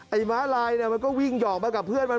ม้าลายมันก็วิ่งหอกมากับเพื่อนมัน